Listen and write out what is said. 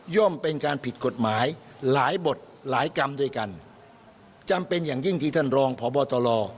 เป็นการผิดกฎหมายหลายบทหลายกรรมด้วยกันจำเป็นอย่างยิ่งที่ท่านรองพบตร